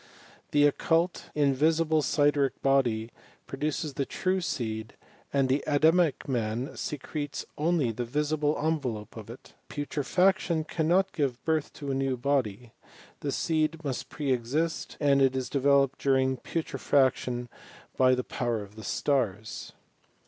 The occult, in visible, sideric body produces the true seed, and the Adamic man secretes only the visible envelope of it. Putrefaction cannot give birth to a new body : the seed must pre exist, and it is developed during putre faction by the power of the stars.